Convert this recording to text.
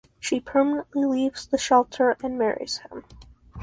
She permanently leaves the shelter and marries him.